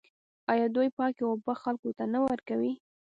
آیا دوی پاکې اوبه خلکو ته نه ورکوي؟